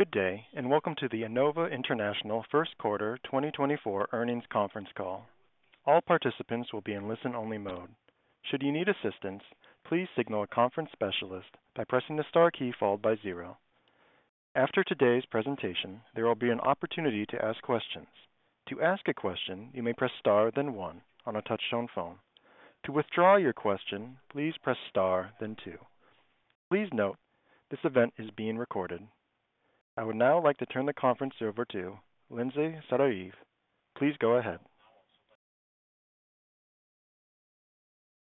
Good day and welcome to the Enova International first quarter 2024 earnings conference call. All participants will be in listen-only mode. Should you need assistance, please signal a conference specialist by pressing the star key followed by 0. After today's presentation, there will be an opportunity to ask questions. To ask a question, you may press star then one on a touch-tone phone. To withdraw your question, please press star then 2. Please note, this event is being recorded. I would now like to turn the conference over to Lindsay Savarese. Please go ahead.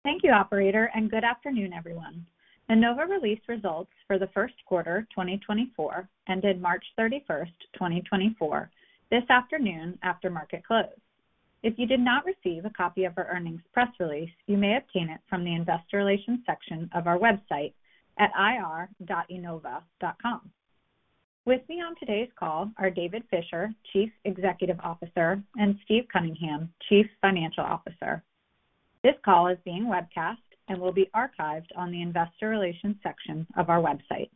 Thank you, operator, and good afternoon, everyone. Enova released results for the first quarter 2024 ended March 31, 2024, this afternoon after market close. If you did not receive a copy of our earnings press release, you may obtain it from the investor relations section of our website at ir.enova.com. With me on today's call are David Fisher, Chief Executive Officer, and Steve Cunningham, Chief Financial Officer. This call is being webcast and will be archived on the investor relations section of our website.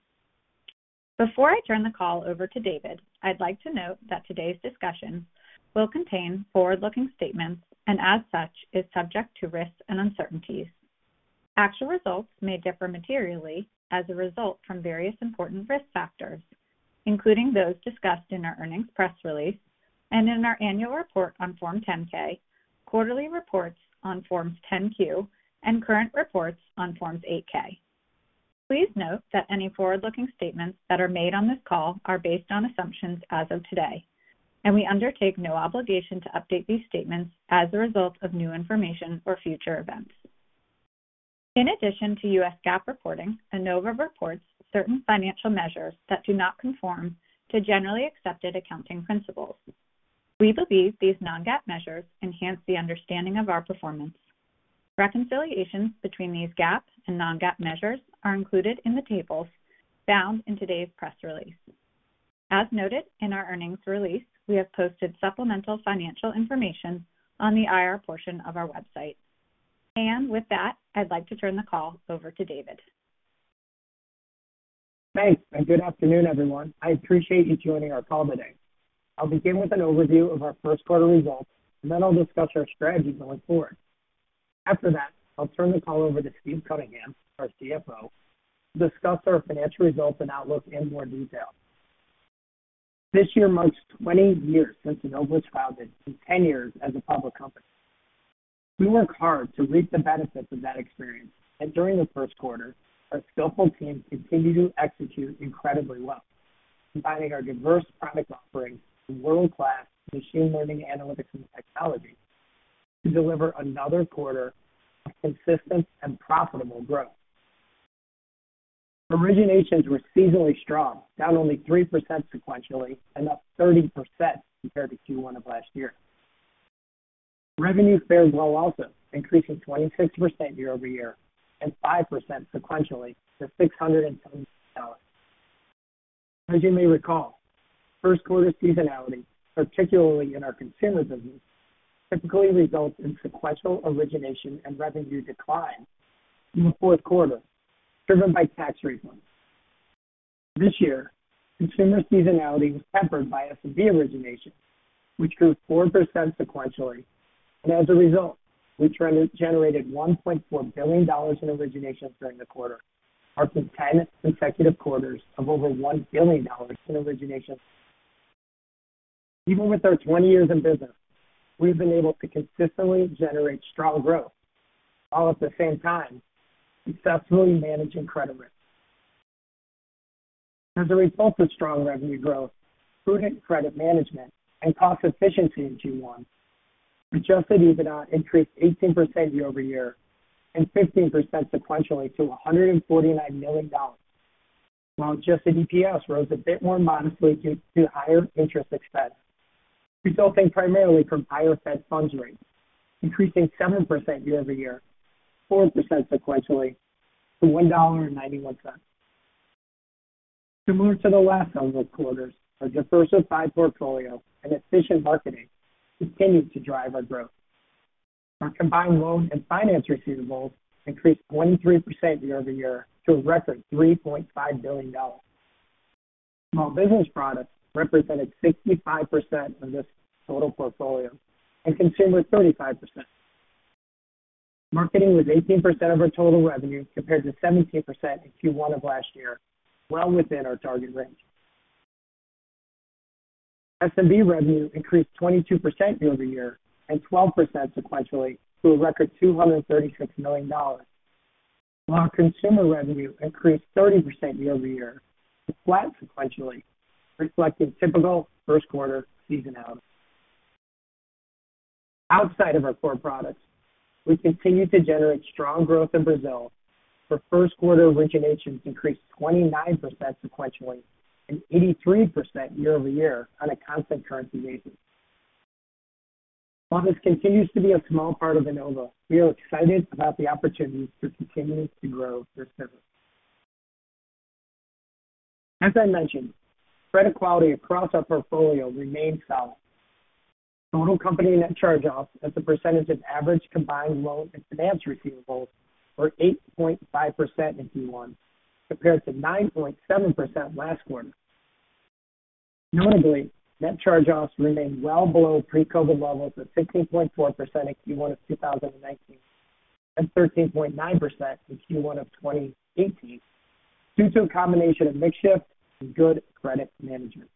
Before I turn the call over to David, I'd like to note that today's discussion will contain forward-looking statements and, as such, is subject to risks and uncertainties. Actual results may differ materially as a result from various important risk factors, including those discussed in our earnings press release and in our annual report on Form 10-K, quarterly reports on Forms 10-Q, and current reports on Forms 8-K. Please note that any forward-looking statements that are made on this call are based on assumptions as of today, and we undertake no obligation to update these statements as a result of new information or future events. In addition to U.S. GAAP reporting, Enova reports certain financial measures that do not conform to generally accepted accounting principles. We believe these non-GAAP measures enhance the understanding of our performance. Reconciliations between these GAAP and non-GAAP measures are included in the tables found in today's press release. As noted in our earnings release, we have posted supplemental financial information on the IR portion of our website. With that, I'd like to turn the call over to David. Thanks and good afternoon, everyone. I appreciate you joining our call today. I'll begin with an overview of our first quarter results, and then I'll discuss our strategy going forward. After that, I'll turn the call over to Steve Cunningham, our CFO, to discuss our financial results and outlook in more detail. This year marks 20 years since Enova was founded and 10 years as a public company. We worked hard to reap the benefits of that experience, and during the first quarter, our skillful team continued to execute incredibly well, combining our diverse product offerings and world-class machine learning, analytics, and technology to deliver another quarter of consistent and profitable growth. Originations were seasonally strong, down only 3% sequentially and up 30% compared to Q1 of last year. Revenue fared well also, increasing 26% year-over-year and 5% sequentially to $676 million. As you may recall, first quarter seasonality, particularly in our consumer business, typically results in sequential origination and revenue decline in the first quarter, driven by tax refunds. This year, consumer seasonality was tempered by a stronger origination, which grew 4% sequentially, and as a result, we generated $1.4 billion in originations during the quarter, marking 10 consecutive quarters of over $1 billion in originations. Even with our 20 years in business, we've been able to consistently generate strong growth while at the same time successfully managing credit risk. As a result of strong revenue growth, prudent credit management, and cost efficiency in Q1, Adjusted EBITDA increased 18% year-over-year and 15% sequentially to $149 million, while Adjusted EPS rose a bit more modestly due to higher interest expense, resulting primarily from higher Fed funds rates, increasing 7% year-over-year, 4% sequentially, to $1.91. Similar to the last several quarters, our diversified portfolio and efficient marketing continued to drive our growth. Our combined loan and finance receivables increased 23% year-over-year to a record $3.5 billion, while business products represented 65% of this total portfolio and consumers 35%. Marketing was 18% of our total revenue compared to 17% in Q1 of last year, well within our target range. SMB revenue increased 22% year-over-year and 12% sequentially to a record $236 million, while consumer revenue increased 30% year-over-year and flat sequentially, reflecting typical first quarter seasonality. Outside of our core products, we continue to generate strong growth in Brazil. For first quarter originations increased 29% sequentially and 83% year-over-year on a constant currency basis. While this continues to be a small part of Enova, we are excited about the opportunities to continue to grow this business. As I mentioned, credit quality across our portfolio remained solid. Total company net charge-offs as a percentage of average combined loan and finance receivables were 8.5% in Q1 compared to 9.7% last quarter. Notably, net charge-offs remained well below pre-COVID levels of 16.4% in Q1 of 2019 and 13.9% in Q1 of 2018 due to a combination of mix shift and good credit management.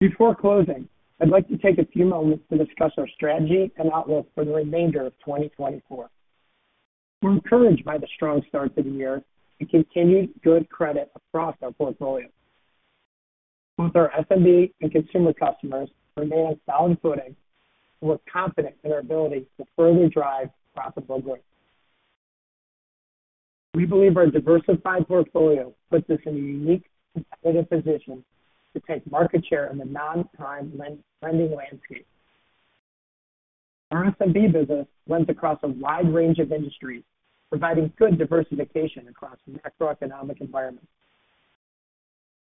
Before closing, I'd like to take a few moments to discuss our strategy and outlook for the remainder of 2024. We're encouraged by the strong start to the year and continued good credit across our portfolio. Both our SMB and consumer customers remain on solid footing and we're confident in our ability to further drive profitable growth. We believe our diversified portfolio puts us in a unique competitive position to take market share in the non-prime lending landscape. Our SMB business lends across a wide range of industries, providing good diversification across the macroeconomic environment.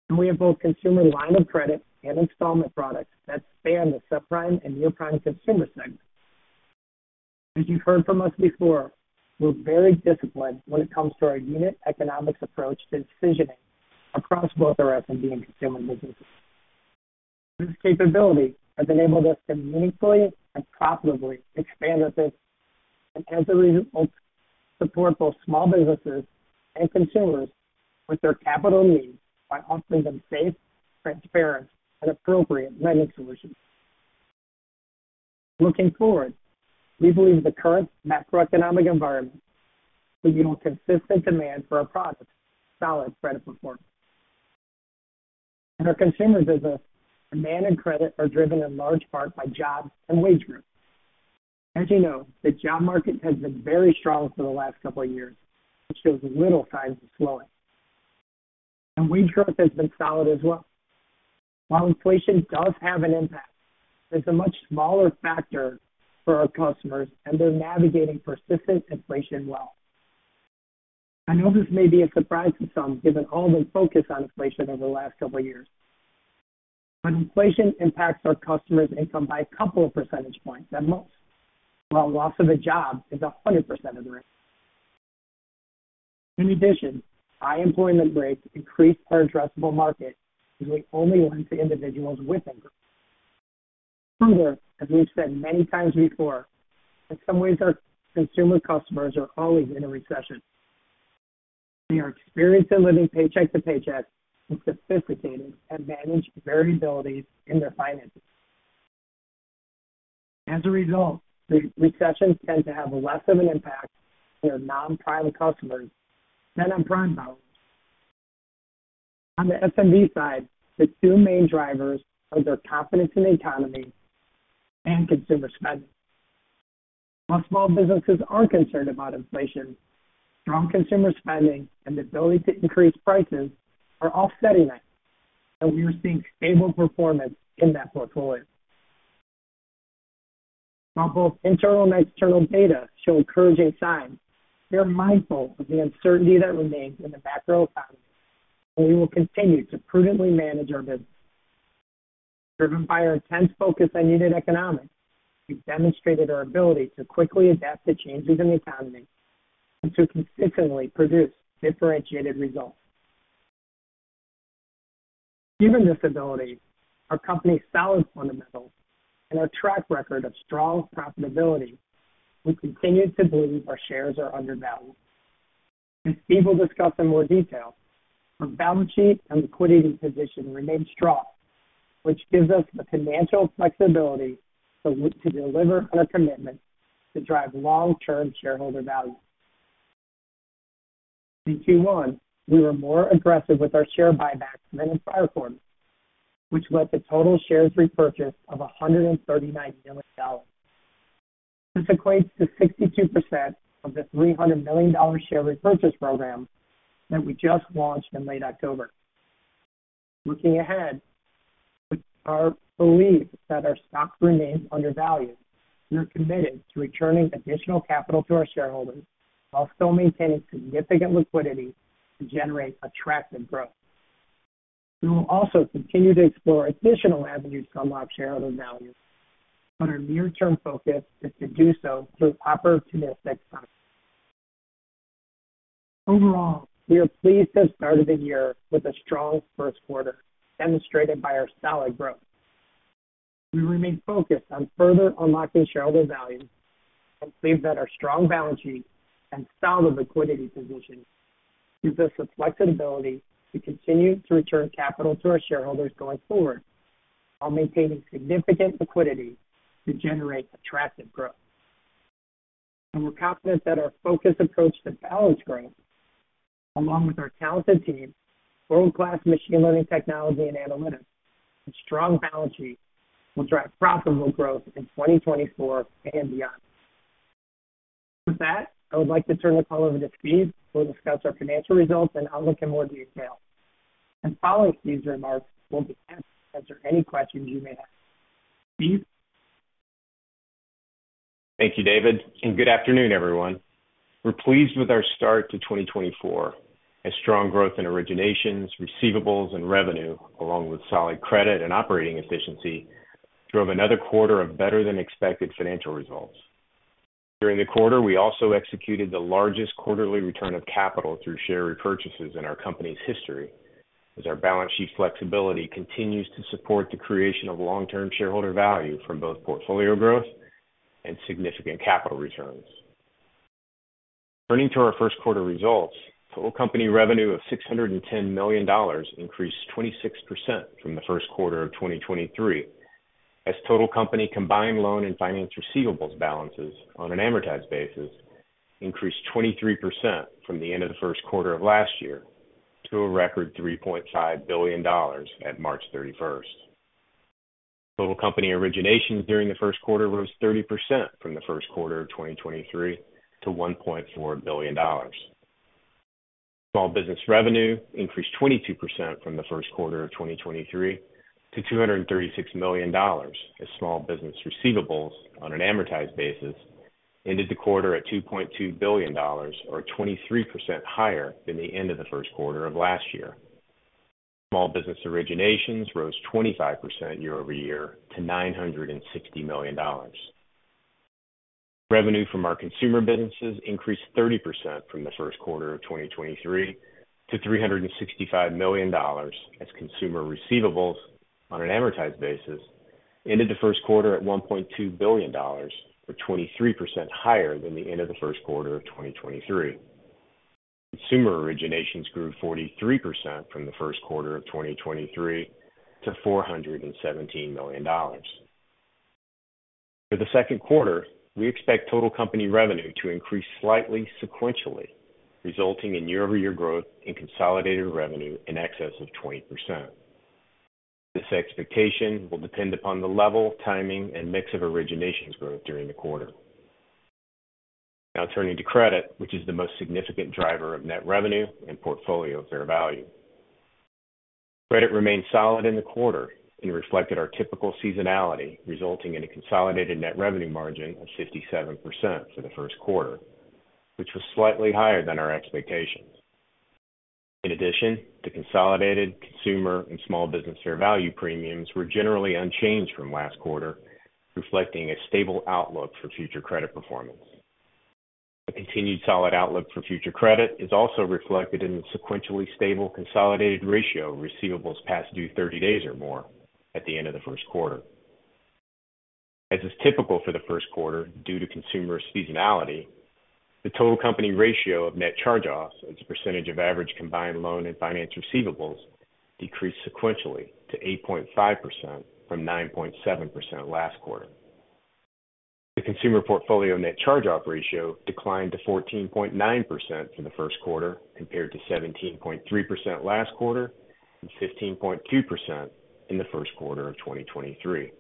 We have both consumer line of credit and installment products that span the subprime and near-prime consumer segments. As you've heard from us before, we're very disciplined when it comes to our unit economics approach to decisioning across both our SMB and consumer businesses. This capability has enabled us to meaningfully and profitably expand our business and, as a result, support both small businesses and consumers with their capital needs by offering them safe, transparent, and appropriate lending solutions. Looking forward, we believe the current macroeconomic environment will yield consistent demand for our products, solid credit performance. In our consumer business, demand and credit are driven in large part by jobs and wage growth. As you know, the job market has been very strong for the last couple of years, which shows little signs of slowing. Wage growth has been solid as well. While inflation does have an impact, there's a much smaller factor for our customers and they're navigating persistent inflation well. I know this may be a surprise to some given all the focus on inflation over the last couple of years, but inflation impacts our customers' income by a couple of percentage points at most, while loss of a job is 100% of the risk. In addition, high employment rates increased our addressable market as we only lend to individuals with incomes. Further, as we've said many times before, in some ways, our consumer customers are always in a recession. They are experienced in living paycheck to paycheck and sophisticated and manage variabilities in their finances. As a result, recessions tend to have less of an impact on our non-prime customers than on prime borrowers. On the SMB side, the two main drivers are their confidence in the economy and consumer spending. While small businesses are concerned about inflation, strong consumer spending and the ability to increase prices are offsetting that, and we are seeing stable performance in that portfolio. While both internal and external data show encouraging signs, we are mindful of the uncertainty that remains in the macroeconomy, and we will continue to prudently manage our business. Driven by our intense focus on unit economics, we've demonstrated our ability to quickly adapt to changes in the economy and to consistently produce differentiated results. Given this ability, our company's solid fundamentals and our track record of strong profitability, we continue to believe our shares are undervalued. As Steve will discuss in more detail, our balance sheet and liquidity position remain strong, which gives us the financial flexibility to deliver on our commitment to drive long-term shareholder value. In Q1, we were more aggressive with our share buybacks than in prior quarters, which led to total shares repurchased of $139 million. This equates to 62% of the $300 million share repurchase program that we just launched in late October. Looking ahead, with our belief that our stocks remain undervalued, we are committed to returning additional capital to our shareholders while still maintaining significant liquidity to generate attractive growth. We will also continue to explore additional avenues to unlock shareholder value, but our near-term focus is to do so through opportunistic stock repurchases. Overall, we are pleased to have started the year with a strong first quarter demonstrated by our solid growth. We remain focused on further unlocking shareholder value and believe that our strong balance sheet and solid liquidity position give us the flexibility to continue to return capital to our shareholders going forward while maintaining significant liquidity to generate attractive growth. We're confident that our focused approach to balanced growth, along with our talented team, world-class machine learning technology and analytics, and strong balance sheet will drive profitable growth in 2024 and beyond. With that, I would like to turn the call over to Steve who will discuss our financial results and outlook in more detail. Following Steve's remarks, we'll be happy to answer any questions you may have. Steve? Thank you, David, and good afternoon, everyone. We're pleased with our start to 2024, as strong growth in originations, receivables, and revenue, along with solid credit and operating efficiency, drove another quarter of better-than-expected financial results. During the quarter, we also executed the largest quarterly return of capital through share repurchases in our company's history, as our balance sheet flexibility continues to support the creation of long-term shareholder value from both portfolio growth and significant capital returns. Turning to our first quarter results, total company revenue of $610 million increased 26% from the first quarter of 2023, as total company combined loan and finance receivables balances on an amortized basis increased 23% from the end of the first quarter of last year to a record $3.5 billion at March 31st. Total company originations during the first quarter rose 30% from the first quarter of 2023 to $1.4 billion. Small business revenue increased 22% from the first quarter of 2023 to $236 million, as small business receivables on an amortized basis ended the quarter at $2.2 billion, or 23% higher than the end of the first quarter of last year. Small business originations rose 25% year-over-year to $960 million. Revenue from our consumer businesses increased 30% from the first quarter of 2023 to $365 million, as consumer receivables on an amortized basis ended the first quarter at $1.2 billion, or 23% higher than the end of the first quarter of 2023. Consumer originations grew 43% from the first quarter of 2023 to $417 million. For the second quarter, we expect total company revenue to increase slightly sequentially, resulting in year-over-year growth in consolidated revenue in excess of 20%. This expectation will depend upon the level, timing, and mix of originations growth during the quarter. Now turning to credit, which is the most significant driver of net revenue and portfolio fair value. Credit remained solid in the quarter and reflected our typical seasonality, resulting in a consolidated net revenue margin of 57% for the first quarter, which was slightly higher than our expectations. In addition, the consolidated consumer and small business fair value premiums were generally unchanged from last quarter, reflecting a stable outlook for future credit performance. A continued solid outlook for future credit is also reflected in the sequentially stable consolidated ratio of receivables past due 30 days or more at the end of the first quarter. As is typical for the first quarter due to consumer seasonality, the total company ratio of net charge-offs as a percentage of average combined loan and finance receivables decreased sequentially to 8.5% from 9.7% last quarter. The consumer portfolio net charge-off ratio declined to 14.9% for the first quarter compared to 17.3% last quarter and 15.2% in the first quarter of 2023.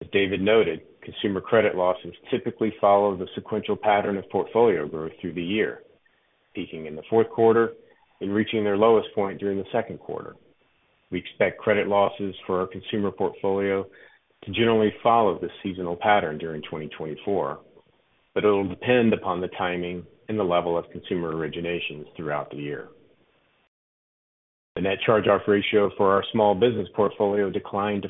As David noted, consumer credit losses typically follow the sequential pattern of portfolio growth through the year, peaking in the fourth quarter and reaching their lowest point during the second quarter. We expect credit losses for our consumer portfolio to generally follow this seasonal pattern during 2024, but it'll depend upon the timing and the level of consumer originations throughout the year. The net charge-off ratio for our small business portfolio declined to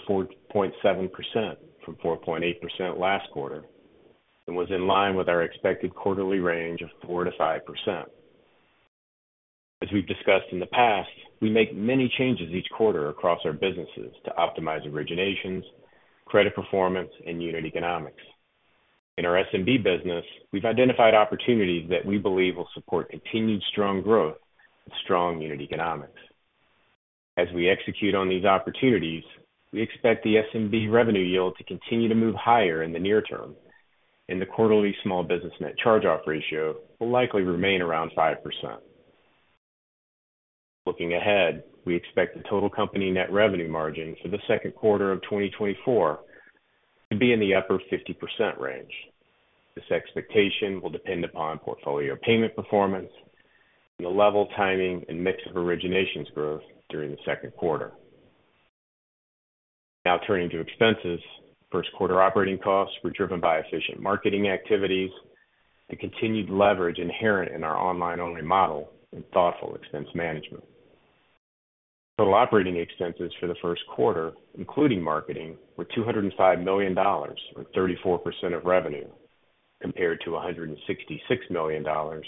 4.7% from 4.8% last quarter and was in line with our expected quarterly range of 4%-5%. As we've discussed in the past, we make many changes each quarter across our businesses to optimize originations, credit performance, and unit economics. In our SMB business, we've identified opportunities that we believe will support continued strong growth and strong unit economics. As we execute on these opportunities, we expect the SMB revenue yield to continue to move higher in the near term, and the quarterly small business net charge-off ratio will likely remain around 5%. Looking ahead, we expect the total company net revenue margin for the second quarter of 2024 to be in the upper 50% range. This expectation will depend upon portfolio payment performance and the level, timing, and mix of originations growth during the second quarter. Now turning to expenses, first quarter operating costs were driven by efficient marketing activities, the continued leverage inherent in our online-only model, and thoughtful expense management. Total operating expenses for the first quarter, including marketing, were $205 million, or 34% of revenue, compared to $166 million, or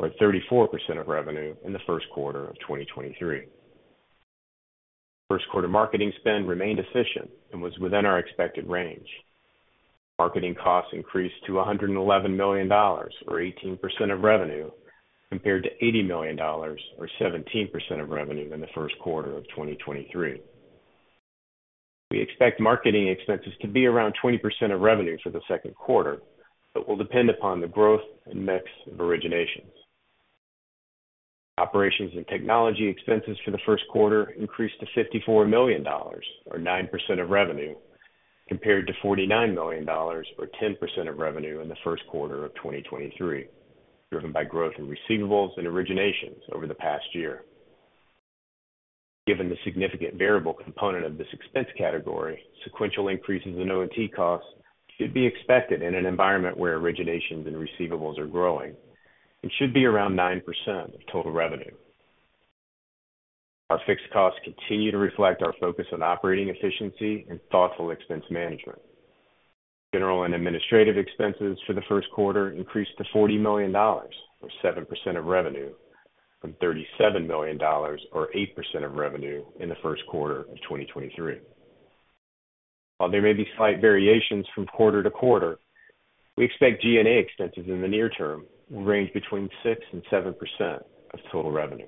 34% of revenue, in the first quarter of 2023. First quarter marketing spend remained efficient and was within our expected range. Marketing costs increased to $111 million, or 18% of revenue, compared to $80 million, or 17% of revenue, in the first quarter of 2023. We expect marketing expenses to be around 20% of revenue for the second quarter but will depend upon the growth and mix of originations. Operations and technology expenses for the first quarter increased to $54 million, or 9% of revenue, compared to $49 million, or 10% of revenue, in the first quarter of 2023, driven by growth in receivables and originations over the past year. Given the significant variable component of this expense category, sequential increases in O&T costs should be expected in an environment where originations and receivables are growing and should be around 9% of total revenue. Our fixed costs continue to reflect our focus on operating efficiency and thoughtful expense management. General and administrative expenses for the first quarter increased to $40 million, or 7% of revenue, from $37 million, or 8% of revenue, in the first quarter of 2023. While there may be slight variations from quarter to quarter, we expect G&A expenses in the near term will range between 6%-7% of total revenue.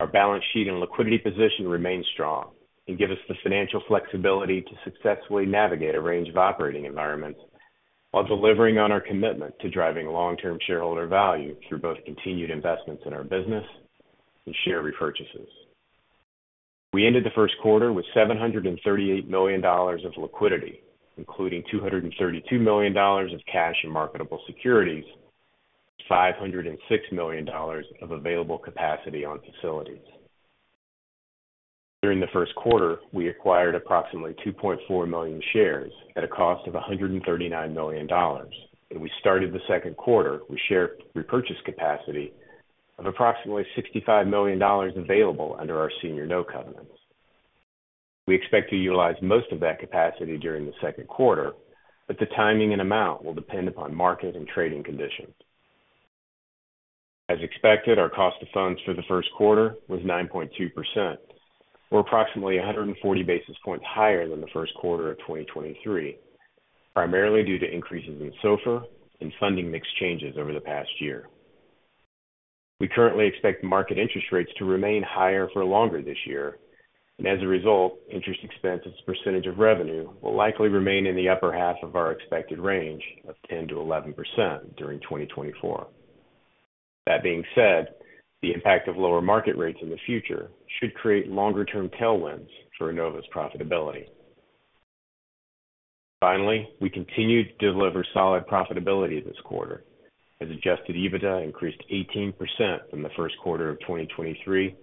Our balance sheet and liquidity position remain strong and give us the financial flexibility to successfully navigate a range of operating environments while delivering on our commitment to driving long-term shareholder value through both continued investments in our business and share repurchases. We ended the first quarter with $738 million of liquidity, including $232 million of cash and marketable securities, and $506 million of available capacity on facilities. During the first quarter, we acquired approximately 2.4 million shares at a cost of $139 million, and we started the second quarter with share repurchase capacity of approximately $65 million available under our senior note covenants. We expect to utilize most of that capacity during the second quarter, but the timing and amount will depend upon market and trading conditions. As expected, our cost of funds for the first quarter was 9.2%, or approximately 140 basis points higher than the first quarter of 2023, primarily due to increases in SOFR and funding mix changes over the past year. We currently expect market interest rates to remain higher for longer this year, and as a result, interest expense as a percentage of revenue will likely remain in the upper half of our expected range of 10%-11% during 2024. That being said, the impact of lower market rates in the future should create longer-term tailwinds for Enova's profitability. Finally, we continue to deliver solid profitability this quarter, as Adjusted EBITDA increased 18% from the first quarter of 2023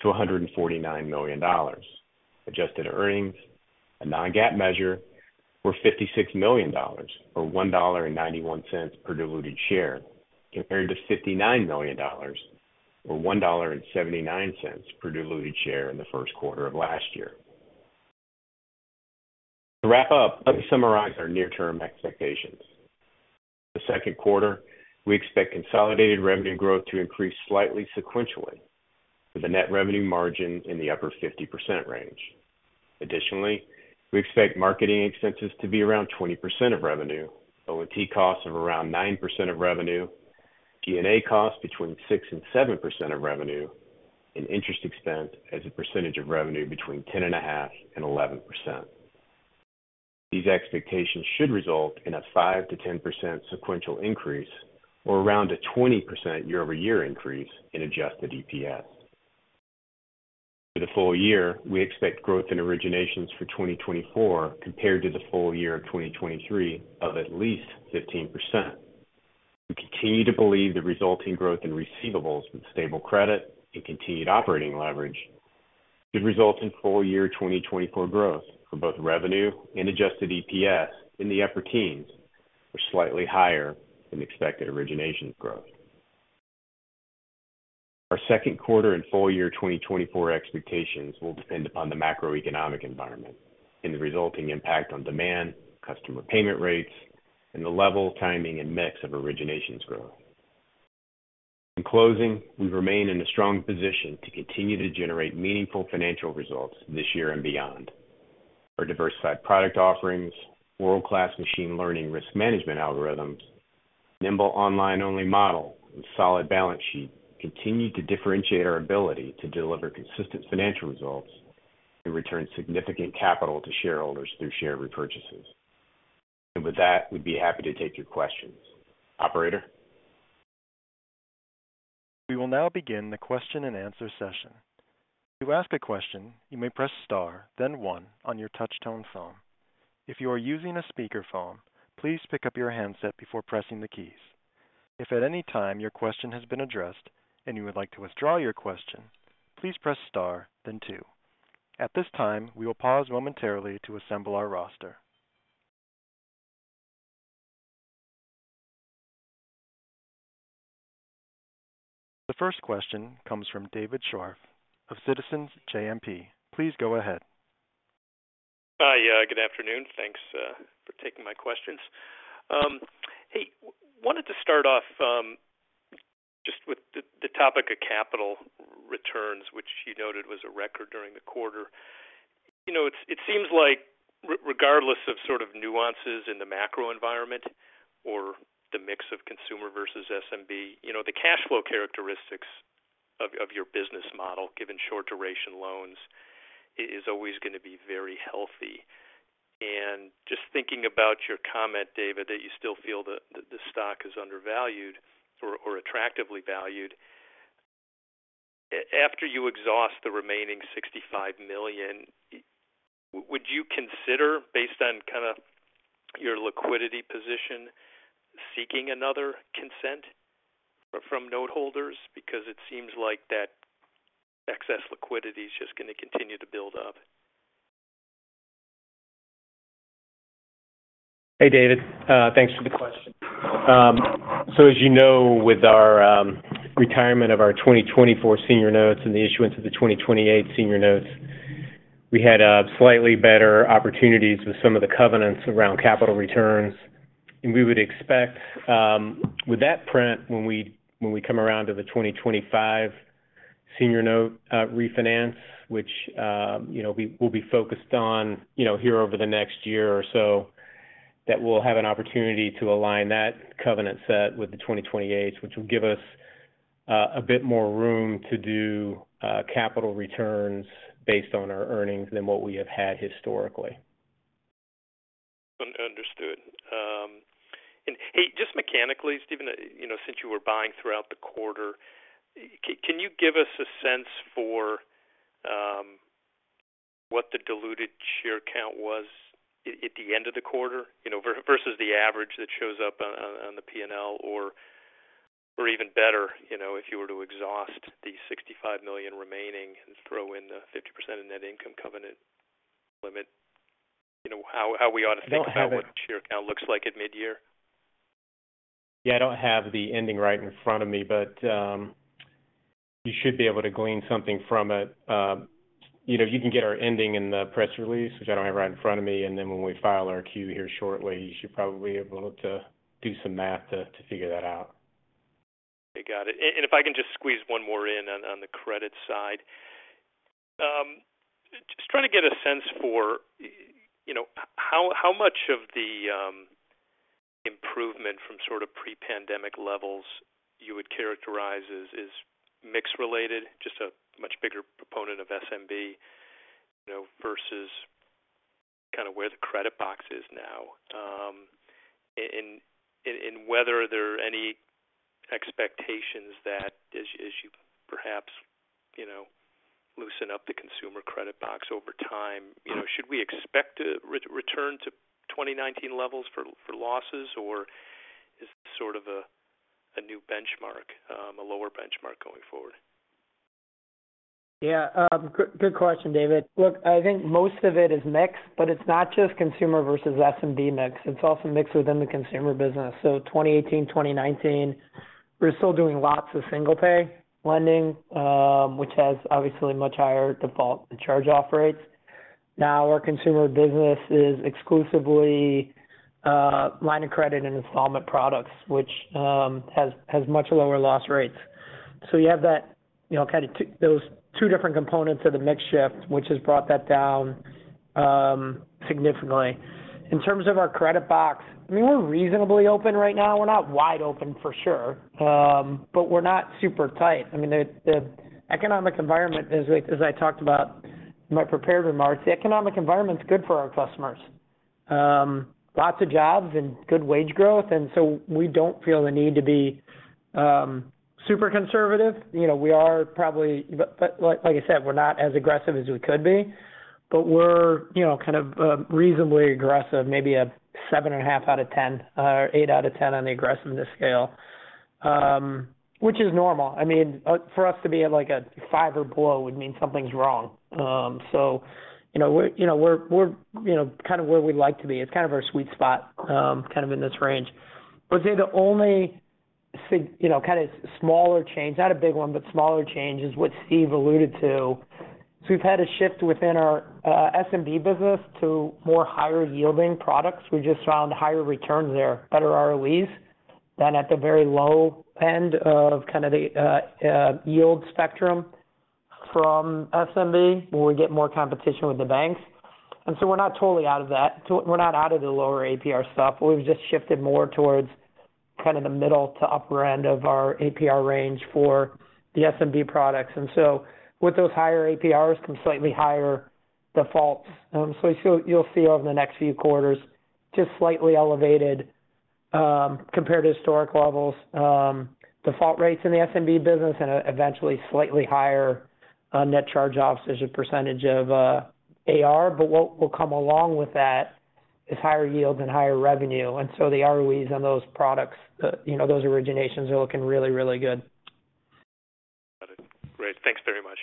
to $149 million. Adjusted earnings, a non-GAAP measure, were $56 million, or $1.91 per diluted share, compared to $59 million, or $1.79 per diluted share in the first quarter of last year. To wrap up, let me summarize our near-term expectations. For the second quarter, we expect consolidated revenue growth to increase slightly sequentially with a net revenue margin in the upper 50% range. Additionally, we expect marketing expenses to be around 20% of revenue, O&T costs of around 9% of revenue, G&A costs between 6%-7% of revenue, and interest expense as a percentage of revenue between 10.5%-11%. These expectations should result in a 5%-10% sequential increase or around a 20% year-over-year increase in adjusted EPS. For the full year, we expect growth in originations for 2024 compared to the full year of 2023 of at least 15%. We continue to believe the resulting growth in receivables with stable credit and continued operating leverage should result in full-year 2024 growth for both revenue and adjusted EPS in the upper teens, or slightly higher than expected originations growth. Our second quarter and full-year 2024 expectations will depend upon the macroeconomic environment and the resulting impact on demand, customer payment rates, and the level, timing, and mix of originations growth. In closing, we remain in a strong position to continue to generate meaningful financial results this year and beyond. Our diversified product offerings, world-class machine learning risk management algorithms, Nimble online-only model, and solid balance sheet continue to differentiate our ability to deliver consistent financial results and return significant capital to shareholders through share repurchases. And with that, we'd be happy to take your questions. Operator? We will now begin the question-and-answer session. If you ask a question, you may press star, then one on your touch-tone phone. If you are using a speakerphone, please pick up your handset before pressing the keys. If at any time your question has been addressed and you would like to withdraw your question, please press star, then two. At this time, we will pause momentarily to assemble our roster. The first question comes from David Scharf of Citizens JMP. Please go ahead. Hi. Good afternoon. Thanks for taking my questions. Hey, wanted to start off just with the topic of capital returns, which you noted was a record during the quarter. It seems like, regardless of sort of nuances in the macro environment or the mix of consumer versus SMB, the cash flow characteristics of your business model, given short-duration loans, is always going to be very healthy. Just thinking about your comment, David, that you still feel the stock is undervalued or attractively valued, after you exhaust the remaining $65 million, would you consider, based on kind of your liquidity position, seeking another consent from noteholders? Because it seems like that excess liquidity is just going to continue to build up. Hey, David. Thanks for the question. So as you know, with our retirement of our 2024 senior notes and the issuance of the 2028 senior notes, we had slightly better opportunities with some of the covenants around capital returns. And we would expect, with that print, when we come around to the 2025 senior note refinance, which we'll be focused on here over the next year or so, that we'll have an opportunity to align that covenant set with the 2028's, which will give us a bit more room to do capital returns based on our earnings than what we have had historically. Understood. And hey, just mechanically, Steven, since you were buying throughout the quarter, can you give us a sense for what the diluted share count was at the end of the quarter versus the average that shows up on the P&L? Or even better, if you were to exhaust the $65 million remaining and throw in the 50% of net income covenant limit, how we ought to think about what the share count looks like at midyear? Yeah. I don't have the ending right in front of me, but you should be able to glean something from it. You can get our ending in the press release, which I don't have right in front of me. And then when we file our 10-Q here shortly, you should probably be able to do some math to figure that out. Okay. Got it. And if I can just squeeze one more in on the credit side, just trying to get a sense for how much of the improvement from sort of pre-pandemic levels you would characterize as mix-related, just a much bigger portion of SMB, versus kind of where the credit box is now, and whether there are any expectations that, as you perhaps loosen up the consumer credit box over time, should we expect a return to 2019 levels for losses, or is this sort of a new benchmark, a lower benchmark going forward? Yeah. Good question, David. Look, I think most of it is mix, but it's not just consumer versus SMB mix. It's also mix within the consumer business. So 2018, 2019, we're still doing lots of single-pay lending, which has obviously much higher default and charge-off rates. Now, our consumer business is exclusively line of credit and installment products, which has much lower loss rates. So you have those two different components of the mix shift, which has brought that down significantly. In terms of our credit box, I mean, we're reasonably open right now. We're not wide open, for sure, but we're not super tight. I mean, the economic environment, as I talked about in my prepared remarks, the economic environment's good for our customers. Lots of jobs and good wage growth. And so we don't feel the need to be super conservative. We are probably, but like I said, we're not as aggressive as we could be, but we're kind of reasonably aggressive, maybe a 7.5 out of 10 or 8 out of 10 on the aggressiveness scale, which is normal. I mean, for us to be at a 5 or below would mean something's wrong. So we're kind of where we'd like to be. It's kind of our sweet spot, kind of in this range. I would say the only kind of smaller change not a big one, but smaller change is what Steve alluded to. So we've had a shift within our SMB business to more higher-yielding products. We just found higher returns there, better ROEs, than at the very low end of kind of the yield spectrum from SMB, where we get more competition with the banks. And so we're not totally out of that. We're not out of the lower APR stuff, but we've just shifted more towards kind of the middle to upper end of our APR range for the SMB products. And so with those higher APRs come slightly higher defaults. So you'll see over the next few quarters, just slightly elevated compared to historic levels, default rates in the SMB business, and eventually slightly higher net charge-offs as a percentage of AR. But what will come along with that is higher yields and higher revenue. And so the ROEs on those products, those originations, are looking really, really good. Got it. Great. Thanks very much.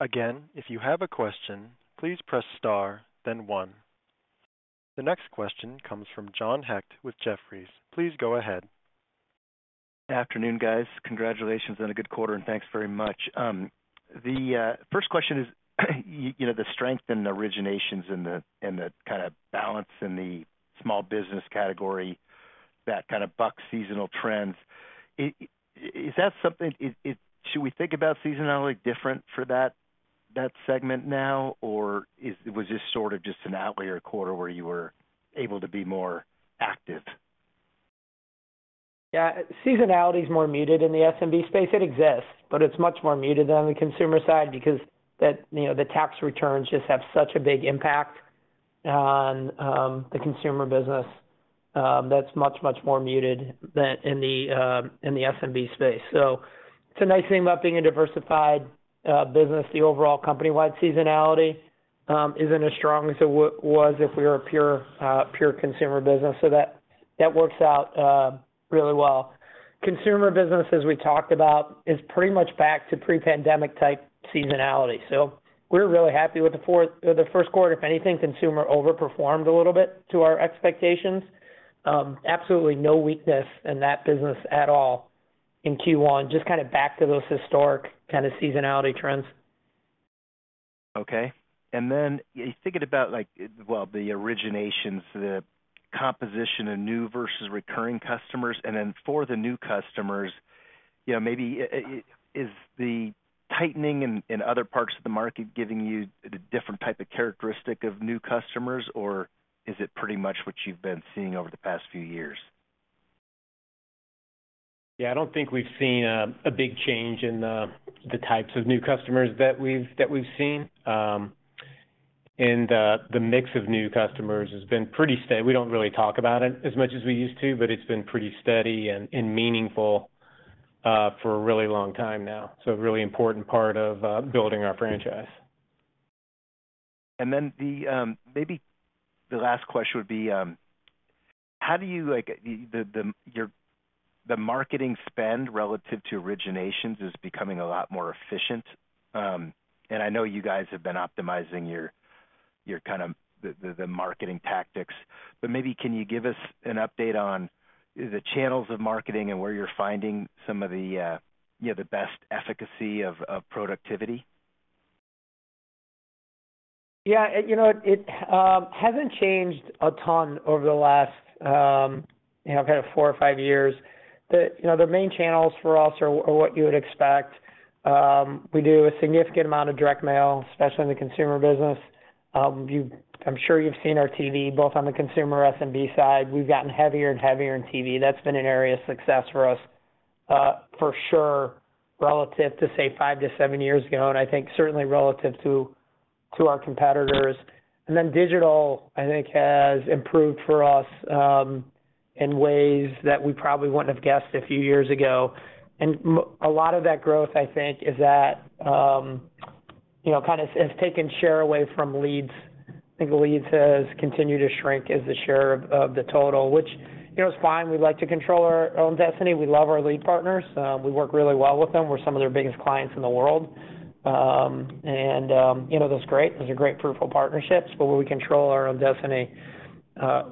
Again, if you have a question, please press star, then one. The next question comes from John Hecht with Jefferies. Please go ahead. Good afternoon, guys. Congratulations on a good quarter, and thanks very much. The first question is the strength in the originations and the kind of balance in the small business category, that kind of buck seasonal trends. Is that something should we think about seasonality different for that segment now, or was this sort of just an outlier quarter where you were able to be more active? Yeah. Seasonality's more muted in the SMB space. It exists, but it's much more muted than on the consumer side because the tax returns just have such a big impact on the consumer business. That's much, much more muted than in the SMB space. So it's a nice thing about being a diversified business. The overall company-wide seasonality isn't as strong as it was if we were a pure consumer business. So that works out really well. Consumer business, as we talked about, is pretty much back to pre-pandemic-type seasonality. So we're really happy with the first quarter. If anything, consumer overperformed a little bit to our expectations. Absolutely no weakness in that business at all in Q1, just kind of back to those historic kind of seasonality trends. Okay. And then thinking about, well, the originations, the composition of new versus recurring customers, and then for the new customers, maybe is the tightening in other parts of the market giving you a different type of characteristic of new customers, or is it pretty much what you've been seeing over the past few years? Yeah. I don't think we've seen a big change in the types of new customers that we've seen. And the mix of new customers has been pretty steady. We don't really talk about it as much as we used to, but it's been pretty steady and meaningful for a really long time now. So a really important part of building our franchise. And then maybe the last question would be, how do you see the marketing spend relative to originations is becoming a lot more efficient? And I know you guys have been optimizing, kind of, the marketing tactics, but maybe can you give us an update on the channels of marketing and where you're finding some of the best efficacy of productivity? Yeah. It hasn't changed a ton over the last kind of four or five years. The main channels for us are what you would expect. We do a significant amount of direct mail, especially in the consumer business. I'm sure you've seen our TV, both on the consumer SMB side. We've gotten heavier and heavier in TV. That's been an area of success for us, for sure, relative to, say, five to seven years ago, and I think certainly relative to our competitors. Then digital, I think, has improved for us in ways that we probably wouldn't have guessed a few years ago. A lot of that growth, I think, is that kind of has taken share away from leads. I think leads has continued to shrink as the share of the total, which is fine. We like to control our own destiny. We love our lead partners. We work really well with them. We're some of their biggest clients in the world. That's great. Those are great fruitful partnerships. But where we control our own destiny,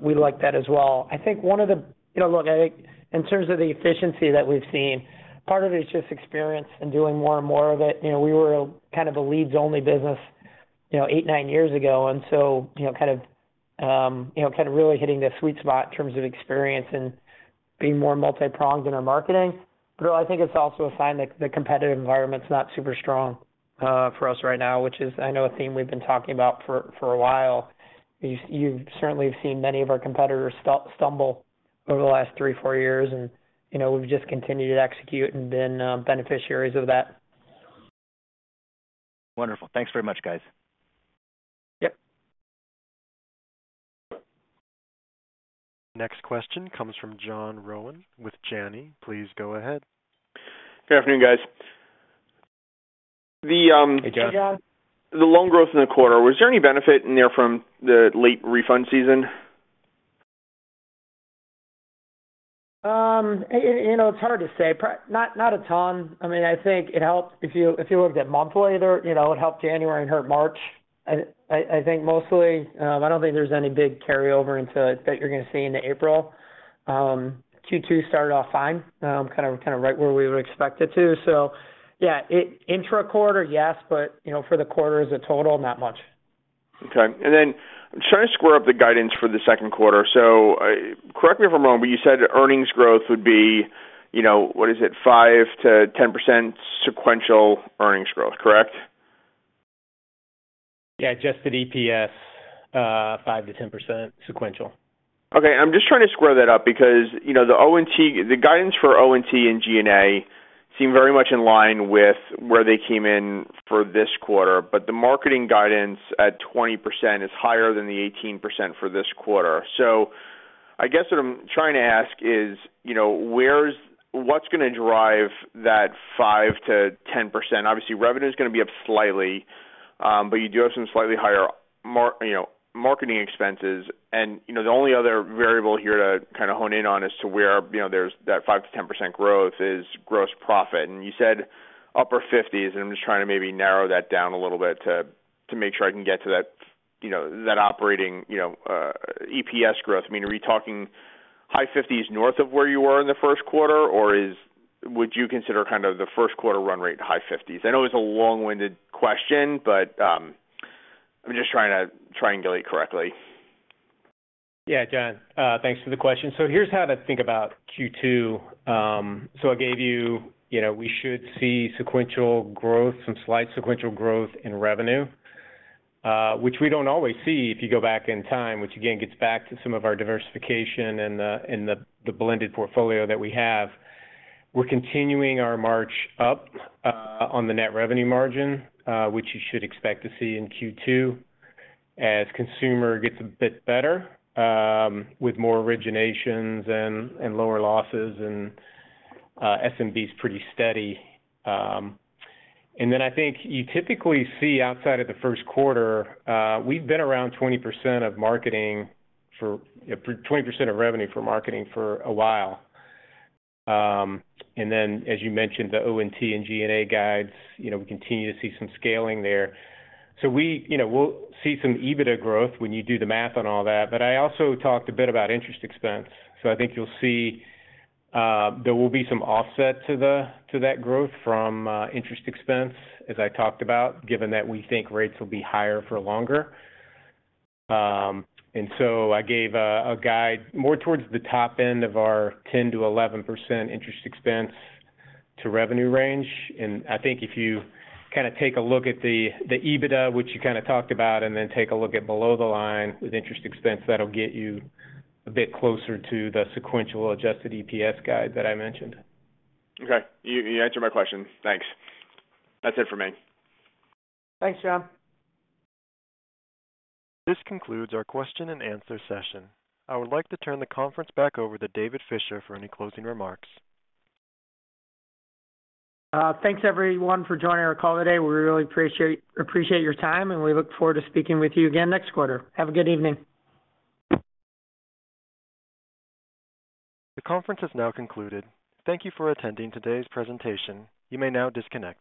we like that as well. I think one of the. Look, I think in terms of the efficiency that we've seen, part of it is just experience and doing more and more of it. We were kind of a leads-only business 8, 9 years ago, and so kind of really hitting the sweet spot in terms of experience and being more multi-pronged in our marketing. But I think it's also a sign that the competitive environment's not super strong for us right now, which is, I know, a theme we've been talking about for a while. You certainly have seen many of our competitors stumble over the last 3, 4 years, and we've just continued to execute and been beneficiaries of that. Wonderful. Thanks very much, guys. Yep. Next question comes from John Rowan with Janney. Please go ahead. Good afternoon, guys. Hey, John. Hey, John. The loan growth in the quarter, was there any benefit in there from the late refund season? It's hard to say. Not a ton. I mean, I think it helped. If you looked at monthly, it helped January and hurt March, I think, mostly. I don't think there's any big carryover into it that you're going to see in April. Q2 started off fine, kind of right where we would expect it to. So yeah, intra-quarter, yes, but for the quarter as a total, not much. Okay. And then I'm trying to square up the guidance for the second quarter. So correct me if I'm wrong, but you said earnings growth would be, what is it, 5%-10% sequential earnings growth, correct? Yeah. Just at EPS, 5%-10% sequential. Okay. I'm just trying to square that up because the guidance for ONT and G&A seem very much in line with where they came in for this quarter, but the marketing guidance at 20% is higher than the 18% for this quarter. So I guess what I'm trying to ask is, what's going to drive that 5%-10%? Obviously, revenue's going to be up slightly, but you do have some slightly higher marketing expenses. And the only other variable here to kind of hone in on as to where there's that 5%-10% growth is gross profit. And you said upper 50s, and I'm just trying to maybe narrow that down a little bit to make sure I can get to that operating EPS growth. I mean, are we talking high 50s north of where you were in the first quarter, or would you consider kind of the first quarter run rate high 50s? I know it's a long-winded question, but I'm just trying to triangulate correctly. Yeah, John. Thanks for the question. So here's how to think about Q2. So I gave you we should see sequential growth, some slight sequential growth in revenue, which we don't always see if you go back in time, which, again, gets back to some of our diversification and the blended portfolio that we have. We're continuing our march up on the net revenue margin, which you should expect to see in Q2 as consumer gets a bit better with more originations and lower losses, and SMB's pretty steady. And then I think you typically see outside of the first quarter, we've been around 20% of revenue for marketing for a while. And then, as you mentioned, the OpEx and G&A guides, we continue to see some scaling there. So we'll see some EBITDA growth when you do the math on all that. But I also talked a bit about interest expense. So I think you'll see there will be some offset to that growth from interest expense, as I talked about, given that we think rates will be higher for longer. And so I gave a guide more towards the top end of our 10%-11% interest expense to revenue range. And I think if you kind of take a look at the EBITDA, which you kind of talked about, and then take a look at below the line with interest expense, that'll get you a bit closer to the sequential Adjusted EPS guide that I mentioned. Okay. You answered my question. Thanks. That's it for me. Thanks, John. This concludes our question-and-answer session. I would like to turn the conference back over to David Fisher for any closing remarks. Thanks, everyone, for joining our call today. We really appreciate your time, and we look forward to speaking with you again next quarter. Have a good evening. The conference has now concluded. Thank you for attending today's presentation. You may now disconnect.